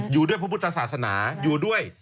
อยู่ด้วยพระพุทธศาสนาอยู่ด้วย